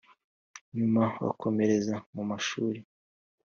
Nyuma bukomereza mu mashuri